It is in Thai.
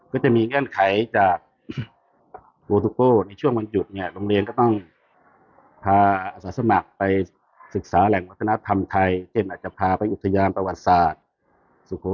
ก็จะมีแน่นไขจาก